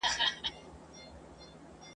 د باغلیو ذخیرې سوې مکتبونه !.